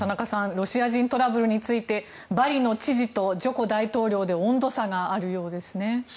ロシア人トラブルについてバリの知事とジョコ大統領で温度差があるようですね。